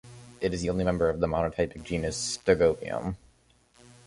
It is the only member of the monotypic genus Stegobium.